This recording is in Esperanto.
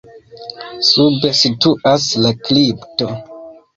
Sube situas la kripto.